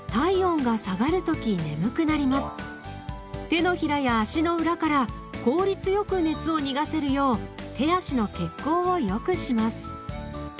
手のひらや足の裏から効率よく熱を逃がせるよう手足の血行をよくします。